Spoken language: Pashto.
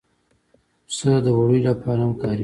پسه د وړیو لپاره هم کارېږي.